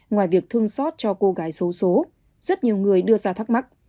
ngoài việc thương xót cho cô gái xấu xố rất nhiều người đưa ra thắc mắc